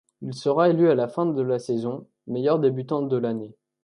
Il sera élu à la fin de la saison meilleur débutant de l'année.